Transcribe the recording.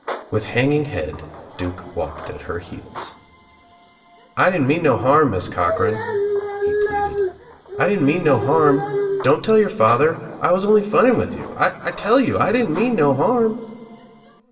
With hanging head Duke walked at her heels. "I didn't mean no harm, Miss Cochran," he pleaded. "I ^M didn't I UNLIGHTED LAMPS 77 didn't mean no harm. Don't tell your father. I was only funning with you. I tell you I didn't mean no hann."